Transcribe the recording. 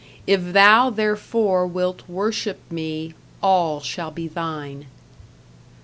If thou, therefore, wilt worship me, all shall be thine."